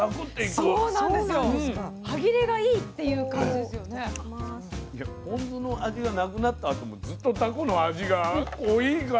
でポン酢の味がなくなったあともずっとタコの味が濃いいから。